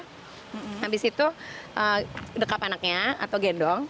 habis itu dekat anaknya atau gendong